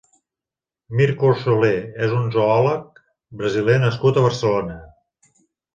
Mirco Solé és un zoòleg brasiler nascut a Barcelona.